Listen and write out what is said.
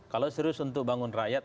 kalau serius untuk bangun rakyat